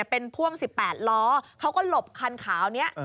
เป็นพ่วง๑๘ล้อเขาก็หลบคันขาวนี้